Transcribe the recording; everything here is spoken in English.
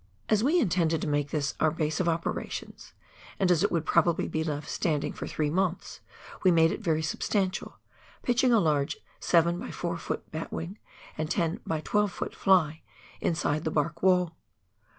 As we in tended to make this our base of operations, and as it would probably be left standing for three months, we made it very substantial, pitching a large 7 by 4 ft. bat wing and 10 by 12 ft. fly inside the bark wall.